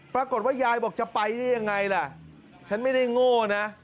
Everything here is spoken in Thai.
ปรากฏว่ายายบอกจะไปได้ยังไงล่ะฉันไม่ได้โง่นะ